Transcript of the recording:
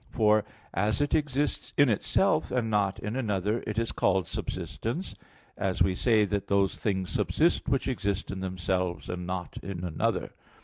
For, as it exists in itself and not in another, it is called "subsistence"; as we say that those things subsist which exist in themselves, and not in another.